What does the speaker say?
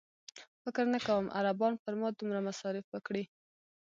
فکر نه کوم عربان پر ما دومره مصارف وکړي.